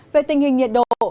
về tình hình nhiệt độ